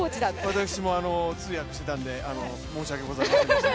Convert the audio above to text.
私も通訳してたんで、申し訳ございませんでした。